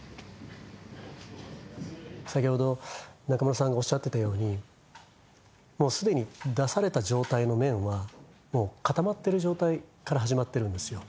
先ほど中村さんがおっしゃってたようにもうすでに出された状態の麺はもう固まってる状態から始まってるんですよ